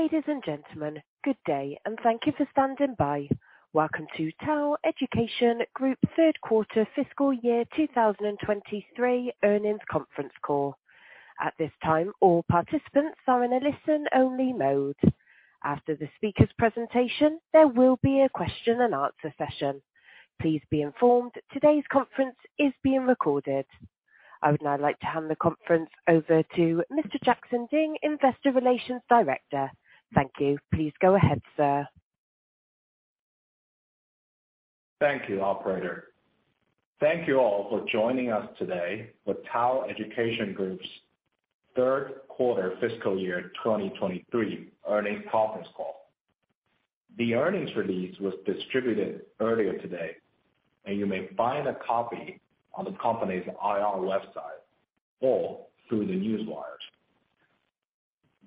Ladies and gentlemen, good day, and thank you for standing by. Welcome to TAL Education Group 3rd quarter fiscal year 2023 earnings conference call. At this time, all participants are in a listen-only mode. After the speaker's presentation, there will be a question and answer session. Please be informed today's conference is being recorded. I would now like to hand the conference over to Mr. Jackson Ding, Investor Relations Director. Thank you. Please go ahead, sir. Thank you, operator. Thank you all for joining us today for TAL Education Group's third quarter fiscal year 2023 earnings conference call. The earnings release was distributed earlier today. You may find a copy on the company's IR website or through the Newswire.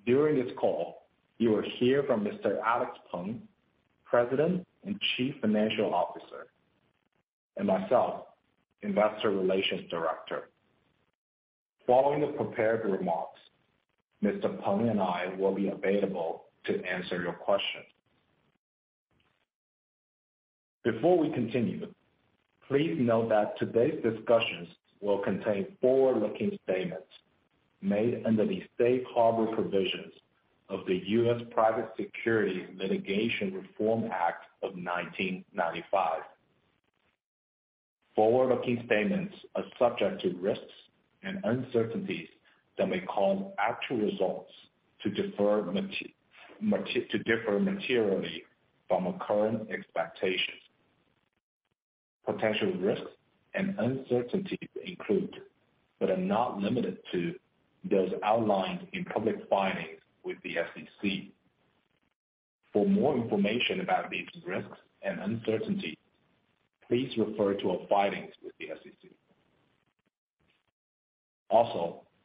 During this call, you will hear from Mr. Alex Peng, President and Chief Financial Officer, and myself, Investor Relations Director. Following the prepared remarks, Mr. Peng and I will be available to answer your questions. Before we continue, please note that today's discussions will contain forward-looking statements made under the safe harbor provisions of the U.S. Private Securities Litigation Reform Act of 1995. Forward-looking statements are subject to risks and uncertainties that may cause actual results to differ materially from our current expectations. Potential risks and uncertainties include, but are not limited to, those outlined in public filings with the SEC. For more information about these risks and uncertainties, please refer to our filings with the SEC.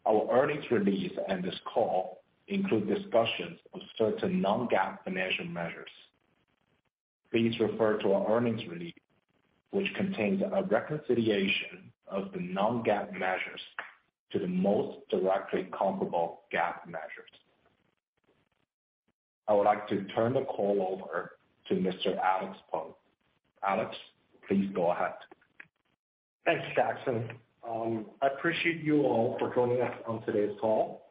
Our earnings release and this call include discussions of certain non-GAAP financial measures. Please refer to our earnings release, which contains a reconciliation of the non-GAAP measures to the most directly comparable GAAP measures. I would like to turn the call over to Mr. Alex Peng. Alex, please go ahead. Thanks, Jackson. I appreciate you all for joining us on today's call,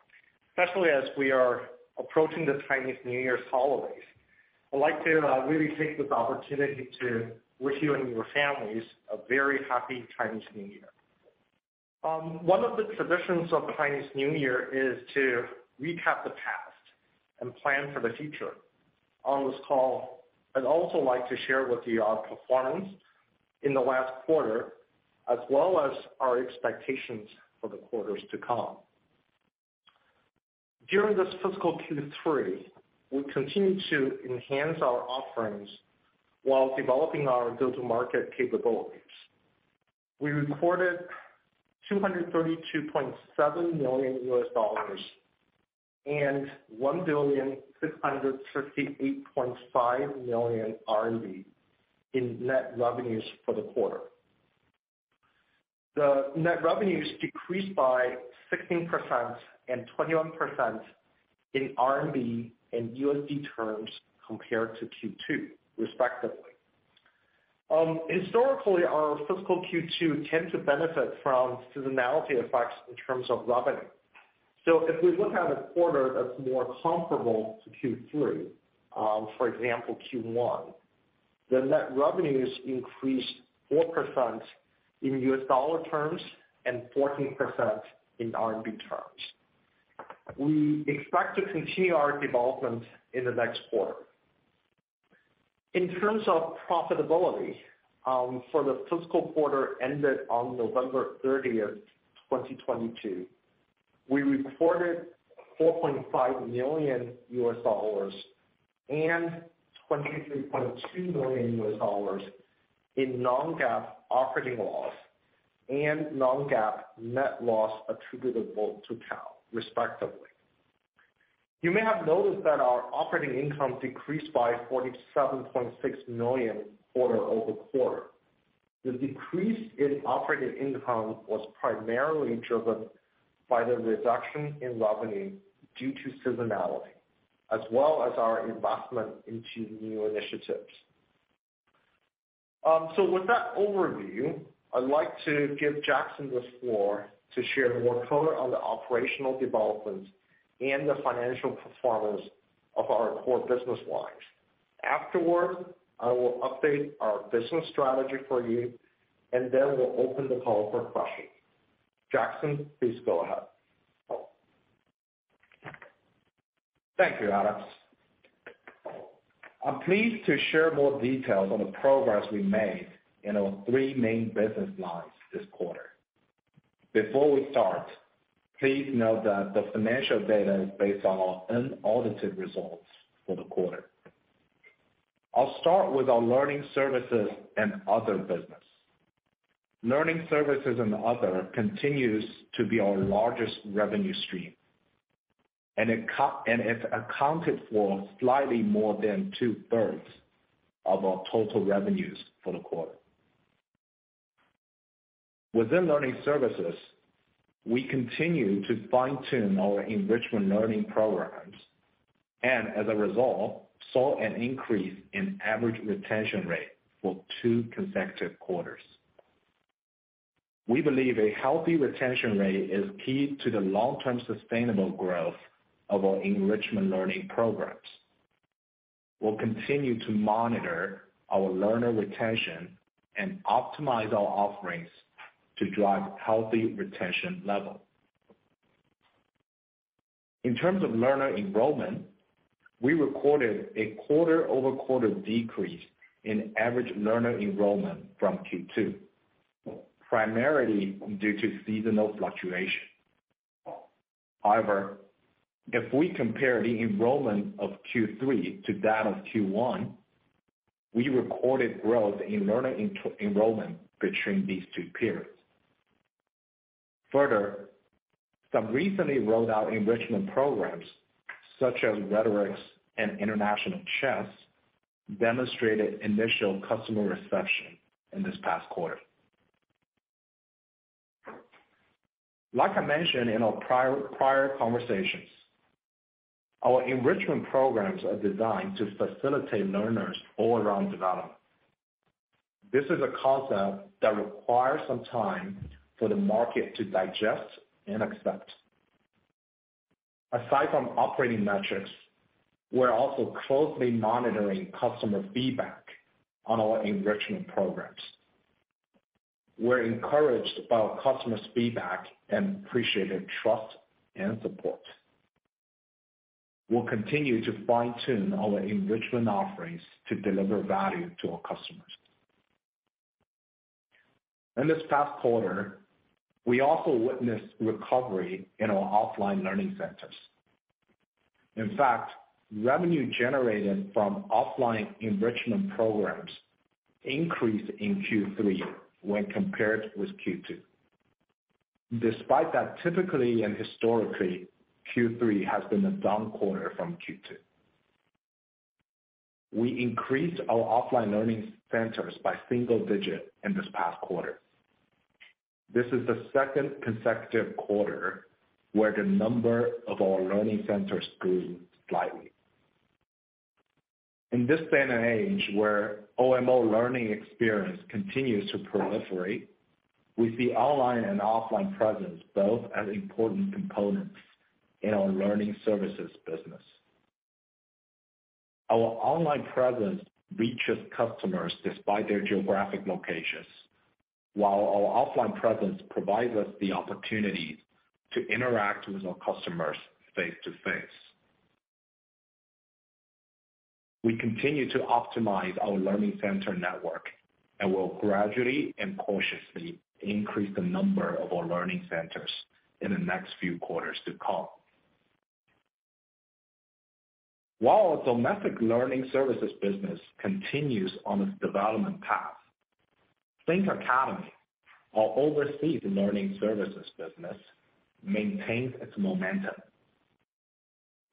especially as we are approaching the Chinese New Year's holidays. I'd like to really take this opportunity to wish you and your families a very happy Chinese New Year. One of the traditions of Chinese New Year is to recap the past and plan for the future. On this call, I'd also like to share with you our performance in the last quarter, as well as our expectations for the quarters to come. During this fiscal Q3, we continued to enhance our offerings while developing our go-to-market capabilities. We recorded $232.7 million and RMB 1,658.5 million in net revenues for the quarter. The net revenues decreased by 16% and 21% in RMB and USD terms compared to Q2, respectively. Historically, our fiscal Q2 tend to benefit from seasonality effects in terms of revenue. If we look at a quarter that's more comparable to Q3, for example, Q1, the net revenues increased 4% in U.S. dollar terms and 14% in RMB terms. We expect to continue our development in the next quarter. In terms of profitability, for the fiscal quarter ended on November 30th, 2022, we recorded $4.5 million and $23.2 million in non-GAAP operating loss and non-GAAP net loss attributable to TAL, respectively. You may have noticed that our operating income decreased by $47.6 million quarter-over-quarter. The decrease in operating income was primarily driven by the reduction in revenue due to seasonality, as well as our investment into new initiatives. With that overview, I'd like to give Jackson the floor to share more color on the operational developments and the financial performance of our core business lines. Afterwards, I will update our business strategy for you, and then we'll open the call for questions. Jackson, please go ahead. Thank you, Alex. I'm pleased to share more details on the progress we made in our three main business lines this quarter. Before we start, please note that the financial data is based on our unaudited results for the quarter. I'll start with our learning services and other business. Learning services and other continues to be our largest revenue stream, and it accounted for slightly more than two-thirds of our total revenues for the quarter. Within learning services, we continue to fine-tune our enrichment learning programs, and as a result, saw an increase in average retention rate for two consecutive quarters. We believe a healthy retention rate is key to the long-term sustainable growth of our enrichment learning programs. We'll continue to monitor our learner retention and optimize our offerings to drive healthy retention level. In terms of learner enrollment, we recorded a quarter-over-quarter decrease in average learner enrollment from Q2, primarily due to seasonal fluctuation. However, if we compare the enrollment of Q3 to that of Q1, we recorded growth in learner enrollment between these two periods. Further, some recently rolled out enrichment programs such as Rhetorics and International Chess demonstrated initial customer reception in this past quarter. Like I mentioned in our prior conversations, our enrichment programs are designed to facilitate learners' all-around development. This is a concept that requires some time for the market to digest and accept. Aside from operating metrics, we're also closely monitoring customer feedback on our enrichment programs. We're encouraged by our customers' feedback and appreciated trust and support. We'll continue to fine-tune our enrichment offerings to deliver value to our customers. In this past quarter, we also witnessed recovery in our offline learning centers. Revenue generated from offline enrichment programs increased in Q3 when compared with Q2. Typically and historically, Q3 has been a down quarter from Q2. We increased our offline learning centers by single-digit in this past quarter. This is the second consecutive quarter where the number of our learning centers grew slightly. In this day and age, where OMO learning experience continues to proliferate, we see online and offline presence both as important components in our learning services business. Our online presence reaches customers despite their geographic locations, while our offline presence provides us the opportunity to interact with our customers face-to-face. We continue to optimize our learning center network, will gradually and cautiously increase the number of our learning centers in the next few quarters to come. While our domestic learning services business continues on its development path, Think Academy, our overseas learning services business, maintains its momentum.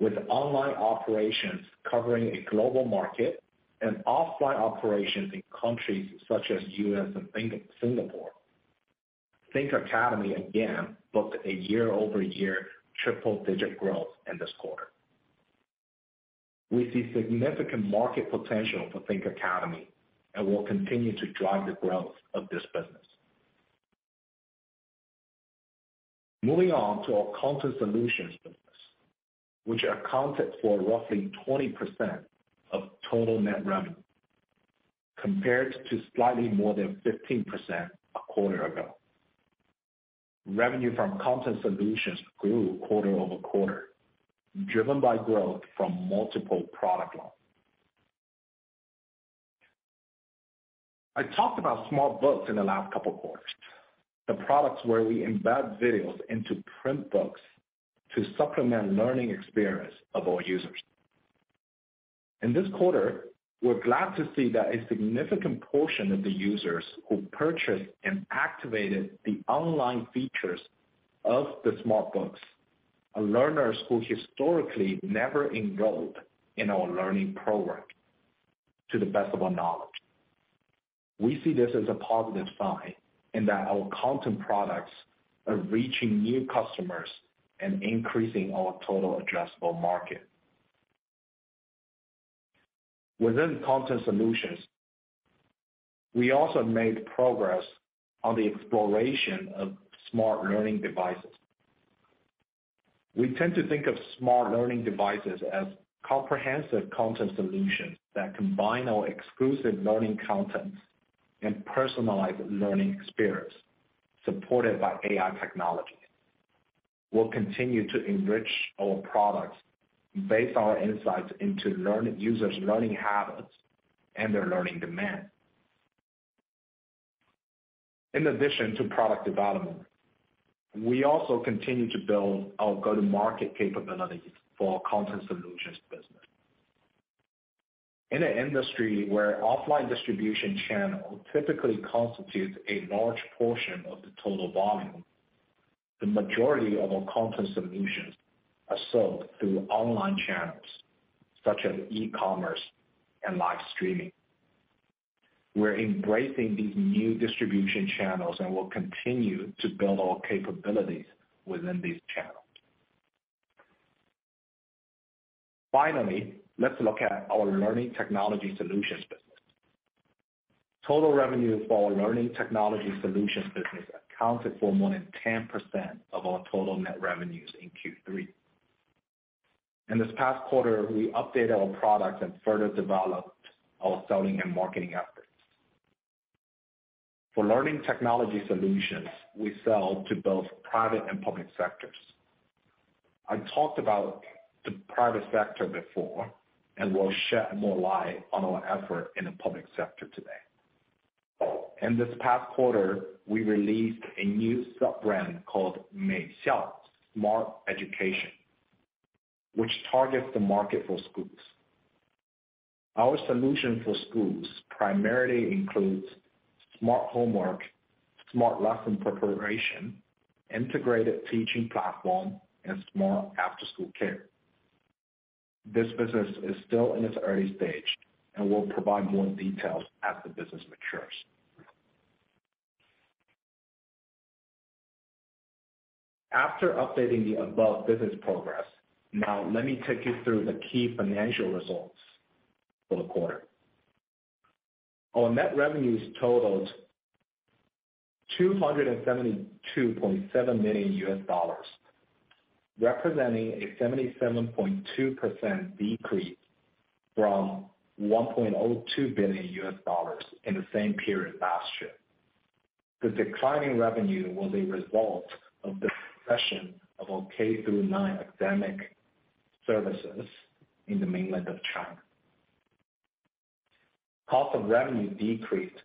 With online operations covering a global market and offline operations in countries such as U.S. and Singapore, Think Academy again booked a year-over-year triple digit growth in this quarter. We see significant market potential for Think Academy, we'll continue to drive the growth of this business. Moving on to our content solutions business, which accounted for roughly 20% of total net revenue compared to slightly more than 15% a quarter ago. Revenue from content solutions grew quarter-over-quarter, driven by growth from multiple product line. I talked about Smart Books in the last couple quarters, the products where we embed videos into print books to supplement learning experience of our users. In this quarter, we're glad to see that a significant portion of the users who purchased and activated the online features of the Smart Books are learners who historically never enrolled in our learning program, to the best of our knowledge. We see this as a positive sign, and that our content products are reaching new customers and increasing our total addressable market. Within content solutions, we also made progress on the exploration of smart learning devices. We tend to think of smart learning devices as comprehensive content solutions that combine our exclusive learning contents and personalized learning experience, supported by AI technology. We'll continue to enrich our products based on insights into users' learning habits and their learning demand. In addition to product development, we also continue to build our go-to-market capabilities for our content solutions business. In an industry where offline distribution channel typically constitutes a large portion of the total volume. The majority of our content solutions are sold through online channels, such as e-commerce and live streaming. We're embracing these new distribution channels and will continue to build our capabilities within these channels. Let's look at our learning technology solutions business. Total revenues for our learning technology solutions business accounted for more than 10% of our total net revenues in Q3. In this past quarter, we updated our products and further developed our selling and marketing efforts. For learning technology solutions, we sell to both private and public sectors. I talked about the private sector before, and we'll shed more light on our effort in the public sector today. In this past quarter, we released a new sub-brand called Meixue Smart Education, which targets the market for schools. Our solution for schools primarily includes smart homework, smart lesson preparation, integrated teaching platform, and smart after-school care. This business is still in its early stage and will provide more details as the business matures. After updating the above business progress, now let me take you through the key financial results for the quarter. Our net revenues totaled $272.7 million, representing a 77.2% decrease from $1.02 billion in the same period last year. The decline in revenue was a result of the session of our K-9 academic services in the mainland of China. Cost of revenue decreased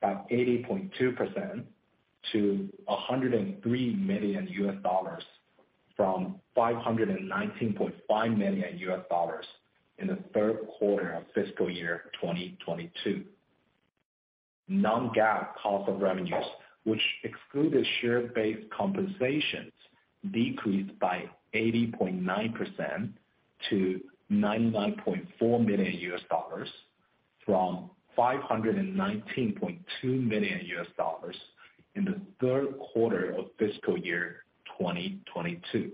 by 80.2% to $103 million from $519.5 million in the third quarter of fiscal year 2022. Non-GAAP cost of revenues, which excluded share-based compensations, decreased by 80.9% to $99.4 million from $519.2 million in the third quarter of fiscal year 2022.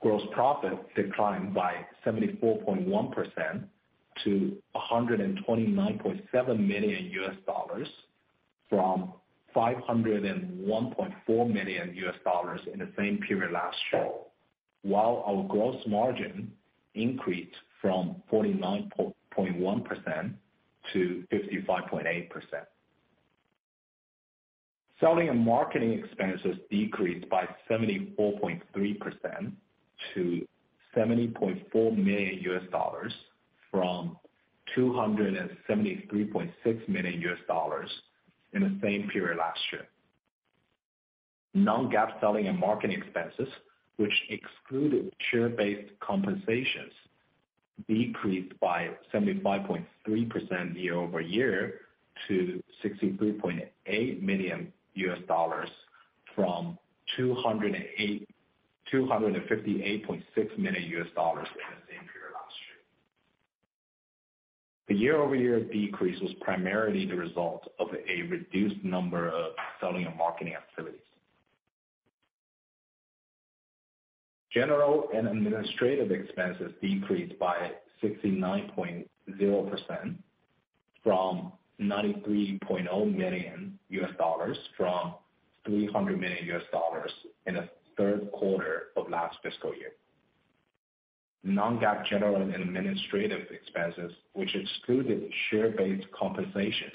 Gross profit declined by 74.1% to $129.7 million from $501.4 million in the same period last year, while our gross margin increased from 49.1%-55.8%. Selling and marketing expenses decreased by 74.3% to $70.4 million from $273.6 million in the same period last year. Non-GAAP selling and marketing expenses, which excluded share-based compensations, decreased by 75.3% year-over-year to $63.8 million from $258.6 million in the same period last year. The year-over-year decrease was primarily the result of a reduced number of selling and marketing activities. General and administrative expenses decreased by 69.0% from $93.0 million from $300 million in the third quarter of last fiscal year. Non-GAAP general and administrative expenses, which excluded share-based compensations,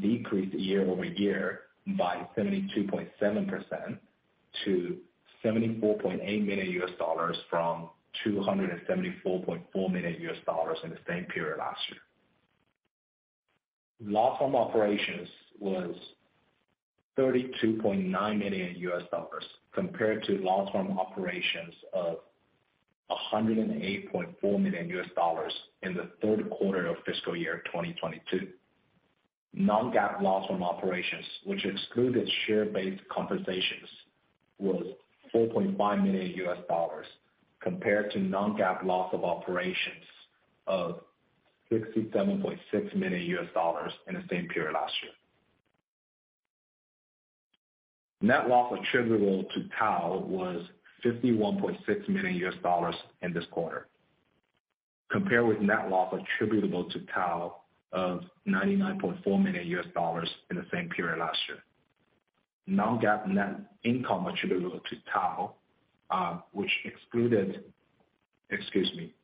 decreased year-over-year by 72.7% to $74.8 million from $274.4 million in the same period last year. Loss from operations was $32.9 million compared to loss from operations of $108.4 million in the third quarter of fiscal year 2022. Non-GAAP loss from operations, which excluded share-based compensations, was $4.5 million compared to non-GAAP loss of operations of $67.6 million in the same period last year. Net loss attributable to TAL was $51.6 million in this quarter, compared with net loss attributable to TAL of $99.4 million in the same period last year. Non-GAAP net income attributable to TAL, Excuse me.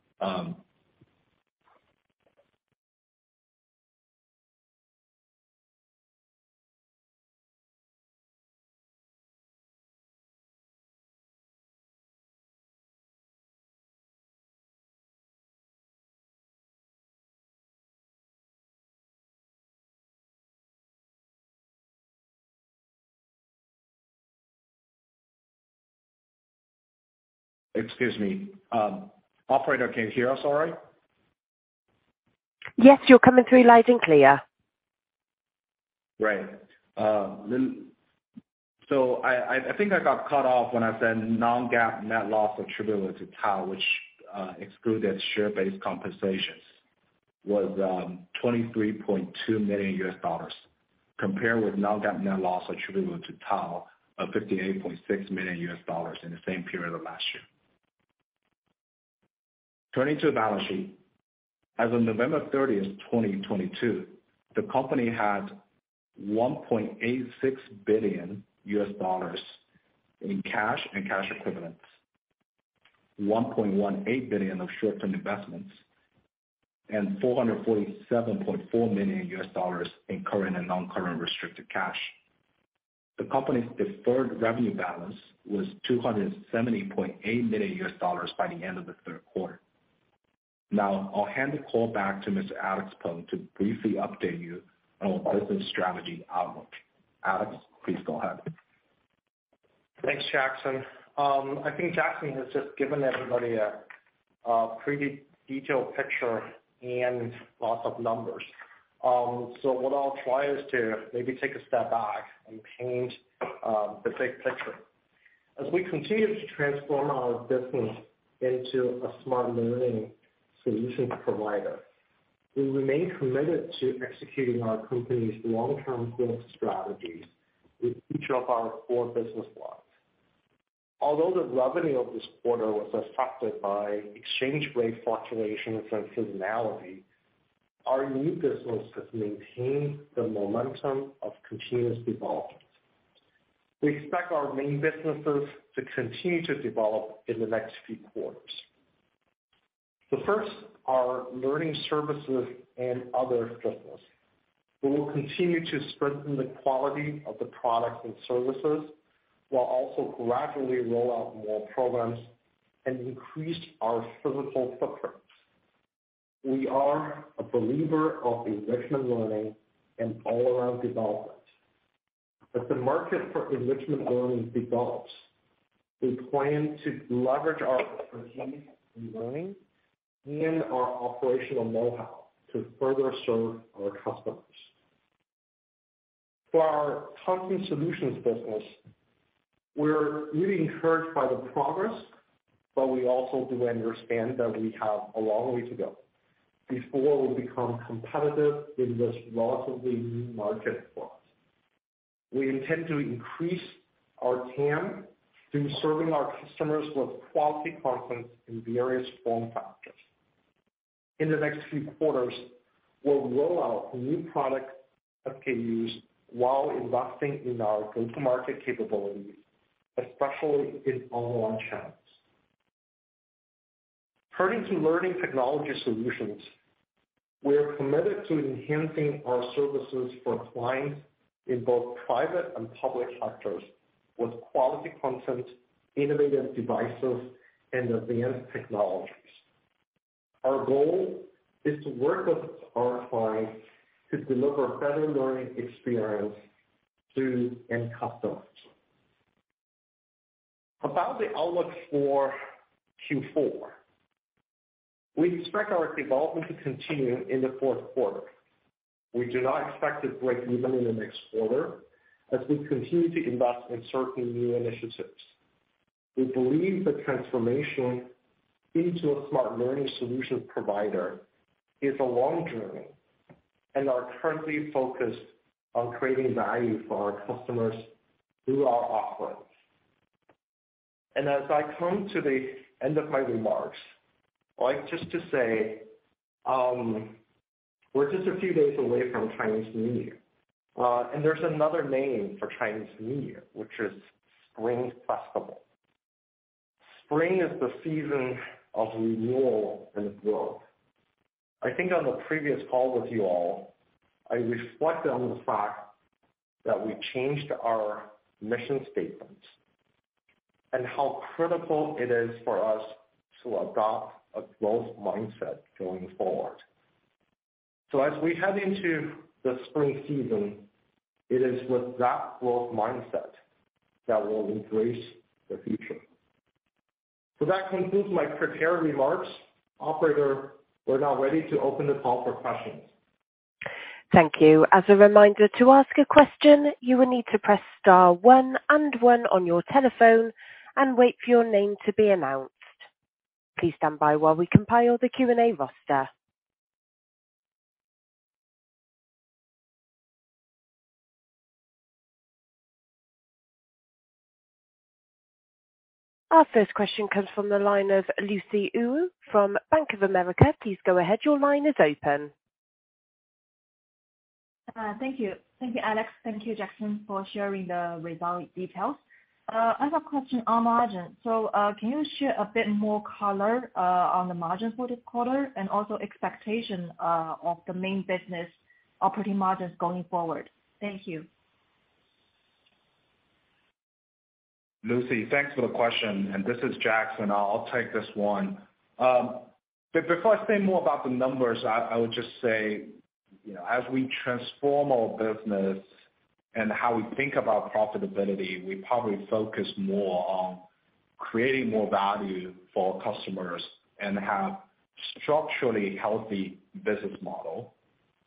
Excuse me. operator, can you hear us all right? Yes, you're coming through loud and clear. Great. I think I got cut off when I said non-GAAP net loss attributable to TAL, which excluded share-based compensations, was $23.2 million compared with non-GAAP net loss attributable to TAL of $58.6 million in the same period of last year. Turning to the balance sheet. As of November 30th, 2022, the company had $1.86 billion in cash and cash equivalents, $1.18 billion of short-term investments, and $447.4 million in current and non-current restricted cash. The company's deferred revenue balance was $270.8 million by the end of the 3rd quarter. I'll hand the call back to Mr. Alex Peng to briefly update you on our business strategy outlook. Alex, please go ahead. Thanks, Jackson. I think Jackson has just given everybody a pretty detailed picture and lots of numbers. What I'll try is to maybe take a step back and paint the big picture. As we continue to transform our business into a smart learning solutions provider, we remain committed to executing our company's long-term growth strategies with each of our four business lines. Although the revenue of this quarter was affected by exchange rate fluctuations and seasonality, our new business has maintained the momentum of continuous development. We expect our main businesses to continue to develop in the next few quarters. The first are learning services and other business. We will continue to strengthen the quality of the products and services while also gradually roll out more programs and increase our physical footprint. We are a believer of enrichment learning and all-around development. As the market for enrichment learning develops, we plan to leverage our expertise in learning and our operational know-how to further serve our customers. For our content solutions business, we're really encouraged by the progress, but we also do understand that we have a long way to go before we become competitive in this relatively new market for us. We intend to increase our TAM through serving our customers with quality content in various form factors. In the next few quarters, we'll roll out new product SKUs while investing in our go-to-market capabilities, especially in online channels. Turning to learning technology solutions, we are committed to enhancing our services for clients in both private and public sectors with quality content, innovative devices, and advanced technologies. Our goal is to work with our clients to deliver better learning experience through end customers. About the outlook for Q4. We expect our development to continue in the fourth quarter. We do not expect to break even in the next quarter as we continue to invest in certain new initiatives. We believe the transformation into a smart learning solution provider is a long journey and are currently focused on creating value for our customers through our offerings. As I come to the end of my remarks, I'd like just to say, we're just a few days away from Chinese New Year. There's another name for Chinese New Year, which is Spring Festival. Spring is the season of renewal and growth. I think on the previous call with you all, I reflected on the fact that we changed our mission statement and how critical it is for us to adopt a growth mindset going forward. As we head into the spring season, it is with that growth mindset that we'll embrace the future. That concludes my prepared remarks. Operator, we're now ready to open the call for questions. Thank you. As a reminder, to ask a question, you will need to press star one and one on your telephone and wait for your name to be announced. Please stand by while we compile the Q&A roster. Our first question comes from the line of Lucy Yu from Bank of America. Please go ahead. Your line is open. Thank you. Thank you, Alex. Thank you, Jackson, for sharing the result details. I have a question on margin. Can you share a bit more color on the margin for this quarter and also expectation of the main business operating margins going forward? Thank you. Lucy, thanks for the question. This is Jackson. I'll take this one. Before I say more about the numbers, I would just say, you know, as we transform our business How we think about profitability, we probably focus more on creating more value for our customers and have structurally healthy business model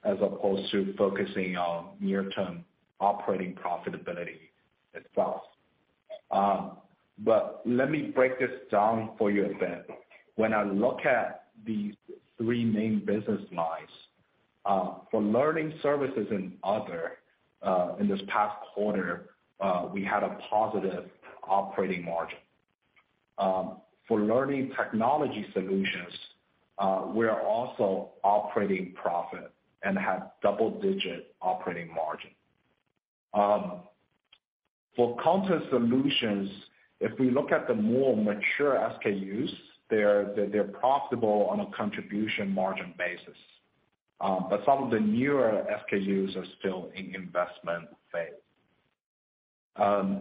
as opposed to focusing on near-term operating profitability itself. Let me break this down for you a bit. When I look at these three main business lines, for learning services and other, in this past quarter, we had a positive operating margin. For learning technology solutions, we are also operating profit and have double-digit operating margin. For content solutions, if we look at the more mature SKUs, they're profitable on a contribution margin basis. Some of the newer SKUs are still in investment phase.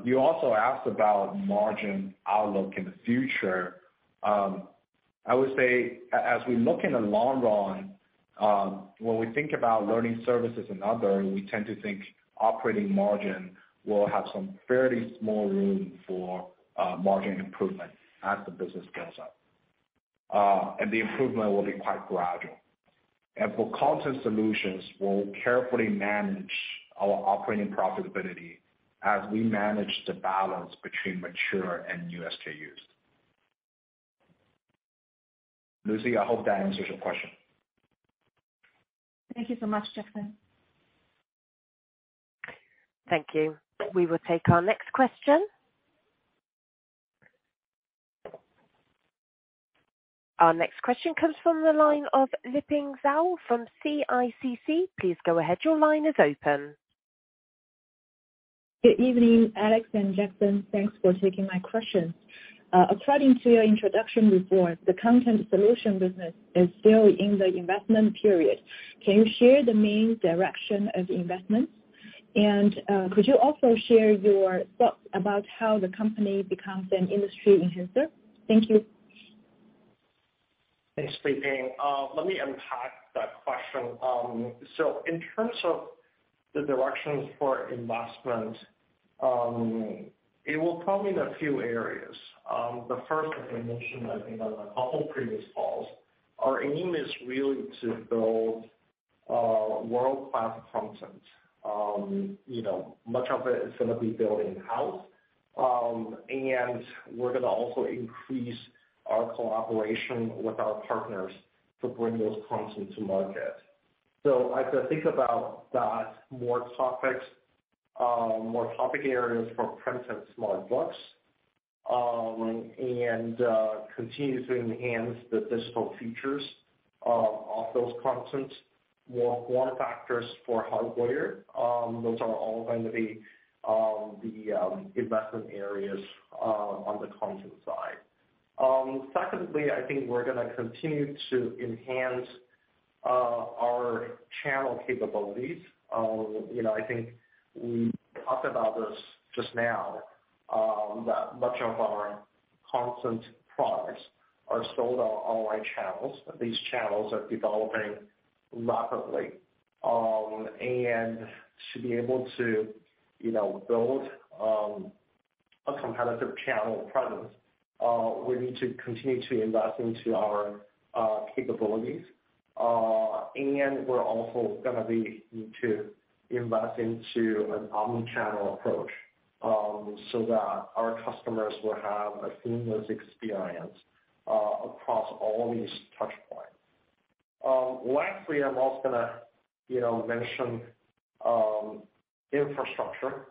You also asked about margin outlook in the future. I would say as we look in the long run, when we think about learning services and other, we tend to think operating margin will have some fairly small room for margin improvement as the business scales up. The improvement will be quite gradual. For content solutions, we'll carefully manage our operating profitability as we manage the balance between mature and new SKUs. Lucy, I hope that answers your question. Thank you so much, Jackson. Thank you. We will take our next question. Our next question comes from the line of Liping Zhao from CICC. Please go ahead. Your line is open. Good evening, Alex and Jackson. Thanks for taking my questions. According to your introduction report, the content solution business is still in the investment period. Can you share the main direction of investment? Could you also share your thoughts about how the company becomes an industry enhancer? Thank you. Thanks, Liping. Let me unpack that question. In terms of the directions for investment, it will probably in a few areas. The first that we mentioned, I think on a couple of previous calls, our aim is really to build world-class content. You know, much of it is gonna be built in-house. We're gonna also increase our collaboration with our partners to bring those content to market. As I think about that, more topics, more topic areas for printed Smart Books, and continue to enhance the digital features of those content. More form factors for hardware. Those are all going to be the investment areas on the content side. Secondly, I think we're gonna continue to enhance our channel capabilities. You know, I think we talked about this just now, that much of our content products are sold on online channels. These channels are developing rapidly. To be able to, you know, build a competitive channel presence, we need to continue to invest into our capabilities. We're also gonna need to invest into an omni-channel approach, so that our customers will have a seamless experience across all these touchpoints. Lastly, I'm also gonna, you know, mention infrastructure,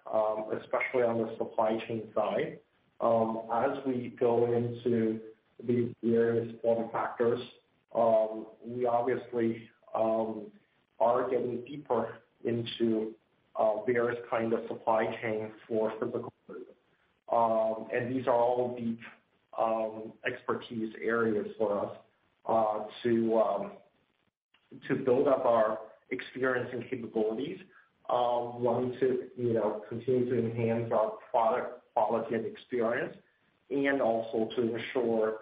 especially on the supply chain side. As we go into these various form factors, we obviously are getting deeper into various kind of supply chains for physical group. These are all deep expertise areas for us to build up our experience and capabilities. one, to, you know, continue to enhance our product quality and experience and also to ensure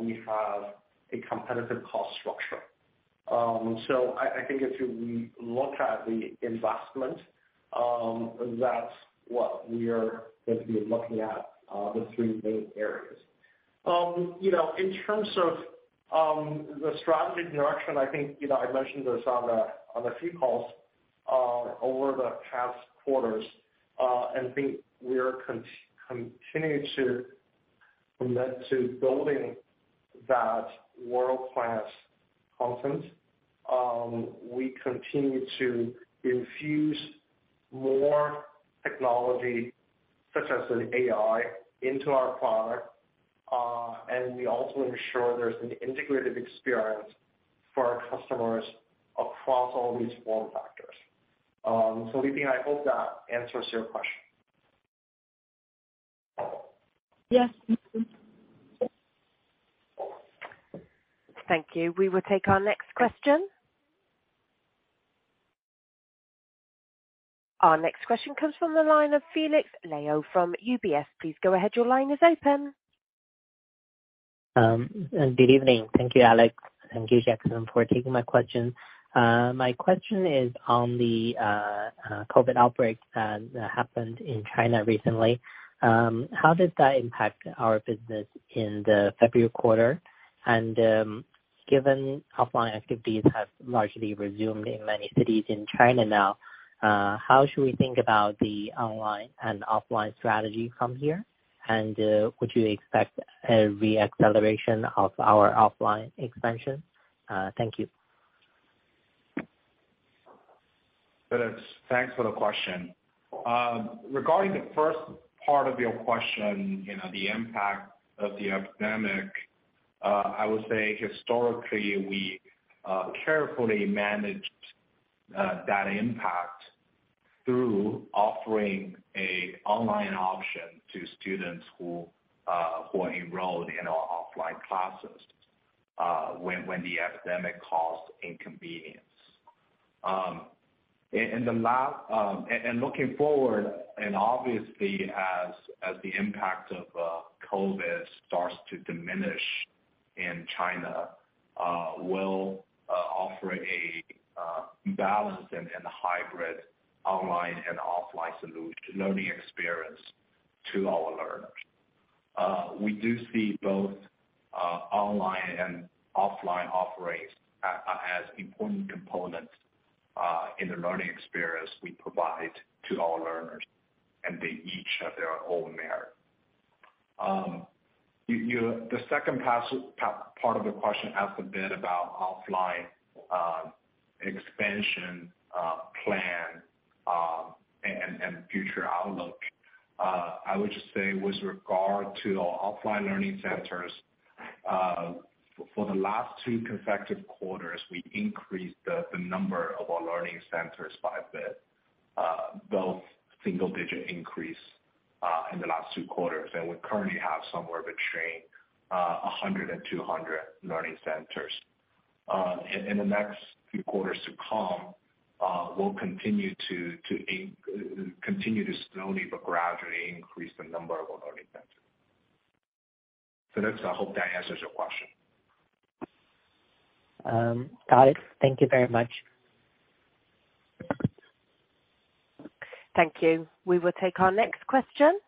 we have a competitive cost structure. I think if you look at the investment, that's what we are going to be looking at, the three main areas. You know, in terms of the strategy direction, I think, you know, I mentioned this on the, on a few calls, over the past quarters. I think we are continue to commit to building that world-class content. We continue to infuse more technology such as an AI into our product. We also ensure there's an integrated experience for our customers across all these form factors. Liping, I hope that answers your question. Yes. Thank you. We will take our next question. Our next question comes from the line of Felix Liu from UBS. Please go ahead. Your line is open. Good evening. Thank you, Alex, and thank you, Jackson, for taking my question. My question is on the COVID outbreak that happened in China recently. How does that impact our business in the February quarter? Given offline activities have largely resumed in many cities in China now, how should we think about the online and offline strategy from here? Would you expect a re-acceleration of our offline expansion? Thank you. Felix, thanks for the question. Regarding the first part of your question, you know, the impact of the epidemic, I would say historically we carefully managed that impact through offering a online option to students who are enrolled in our offline classes when the epidemic caused inconvenience. Looking forward, obviously as the impact of COVID starts to diminish in China, we'll offer a balanced and hybrid online and offline solution learning experience to our learners. We do see both online and offline offerings as important components in the learning experience we provide to our learners, and they each have their own merit. You. The second part of the question asked a bit about offline expansion plan and future outlook. I would just say with regard to our offline learning centers, for the last two consecutive quarters, we increased the number of our learning centers by a bit, both single-digit increase in the last two quarters. We currently have somewhere between 100 and 200 learning centers. In the next few quarters to come, we'll continue to slowly but gradually increase the number of our learning centers. Felix, I hope that answers your question. Got it. Thank you very much. Thank you. We will take our next question.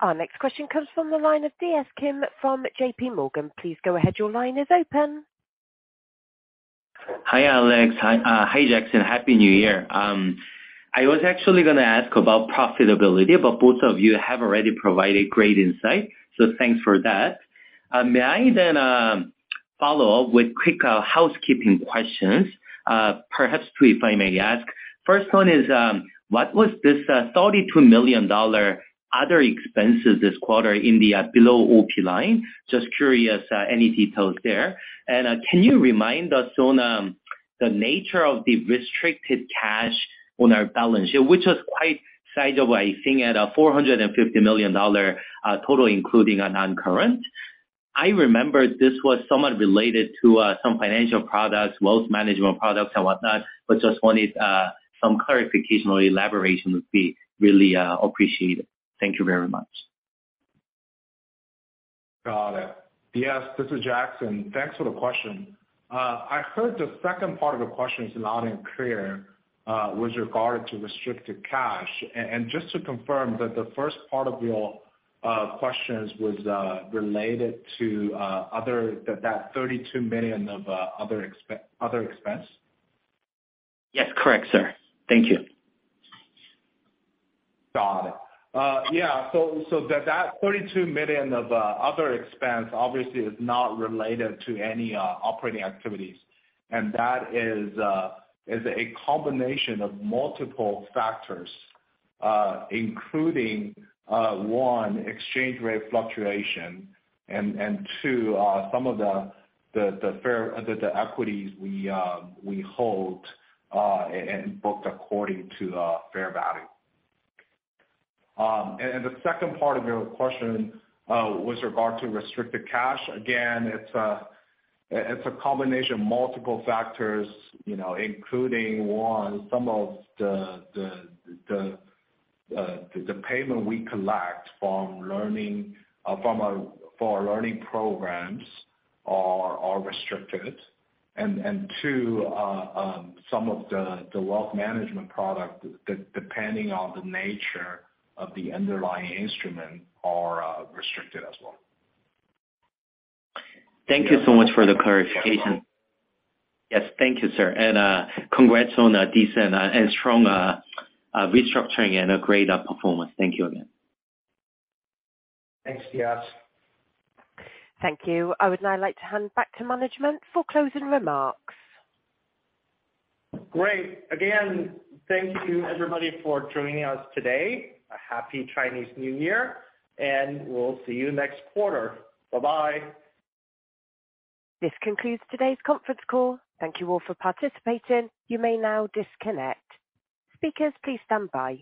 Our next question comes from the line of DS Kim from JPMorgan. Please go ahead. Your line is open. Hi, Alex. Hi, hi, Jackson. Happy New Year. I was actually gonna ask about profitability, but both of you have already provided great insight, so thanks for that. May I then follow up with quick housekeeping questions? Perhaps 2, if I may ask. First one is, what was this $32 million other expenses this quarter in the below OP line? Just curious, any details there. Can you remind us on the nature of the restricted cash on our balance sheet, which was quite sizable, I think at a $450 million total including our non-current. I remember this was somewhat related to some financial products, wealth management products and whatnot. Just wanted some clarification or elaboration would be really appreciated. Thank you very much. Got it. DS, this is Jackson. Thanks for the question. I heard the second part of the question loud and clear, with regard to restricted cash. And just to confirm that the first part of your questions was related to other, that $32 million of other expense? Yes. Correct, sir. Thank you. Got it. Yeah. So that $32 million of other expense obviously is not related to any operating activities. That is a combination of multiple factors, including, one, exchange rate fluctuation, and two, some of the fair value equities we hold and booked according to the fair value. The second part of your question, with regard to restricted cash, again, it's a combination of multiple factors, you know, including, one, some of the payment we collect for our learning programs are restricted. And two, some of the wealth management product depending on the nature of the underlying instrument are restricted as well. Thank you so much for the clarification. Yes. Thank you, sir. And, congrats on a decent and strong, restructuring and a great, performance. Thank you again. Thanks, DS. Thank you. I would now like to hand back to management for closing remarks. Great. Again, thank you everybody for joining us today. A happy Chinese New Year. We'll see you next quarter. Bye-bye. This concludes today's conference call. Thank you all for participating. You may now disconnect. Speakers, please stand by.